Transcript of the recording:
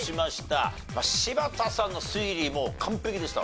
柴田さんの推理完璧でしたわ。